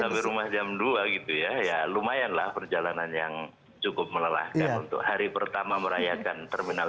sampai rumah jam dua gitu ya ya lumayan lah perjalanan yang cukup melelahkan untuk hari pertama merayakan terminal